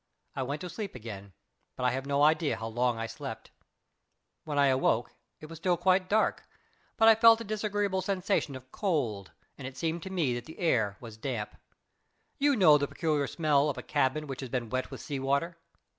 I went to sleep again; but I have no idea how long I slept. When I awoke it was still quite dark, but I felt a disagreeable sensation of cold, and it seemed to me that the air was damp. You know the peculiar smell of a cabin which has been wet with sea water.